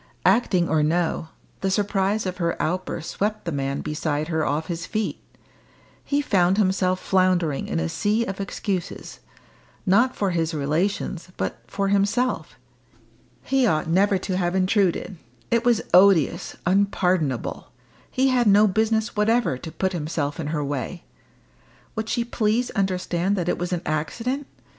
Acting or no, the surprise of her outburst swept the man beside her off his feet. He found himself floundering in a sea of excuses not for his relations, but for himself. He ought never to have intruded; it was odious, unpardonable; he had no business whatever to put himself in her way! Would she please understand that it was an accident?